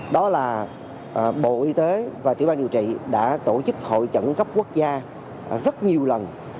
đó là bộ y tế và tiểu ban điều trị đã tổ chức hội trận cấp quốc gia rất nhiều lần